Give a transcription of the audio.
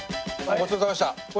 ごちそうさまです。